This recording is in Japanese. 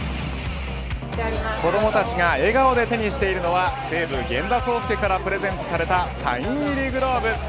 子どもたちが笑顔で手にしているのは西武、源田壮亮からプレゼントされたサイン入りグローブ。